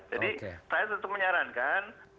jadi saya tentu menyarankan